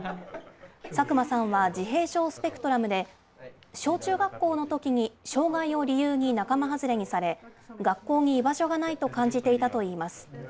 佐久間さんは自閉症スペクトラムで、小中学校のときに、障害を理由に仲間外れにされ、学校に居場所がないと感じていたといいます。